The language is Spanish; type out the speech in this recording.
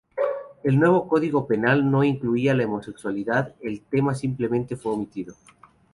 El nuevo código penal no incluía la homosexualidad, el tema simplemente fue omitido.